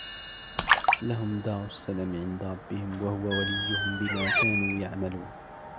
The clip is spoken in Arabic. لَهُمْ دَارُ السَّلَامِ عِنْدَ رَبِّهِمْ وَهُوَ وَلِيُّهُمْ بِمَا كَانُوا يَعْمَلُونَ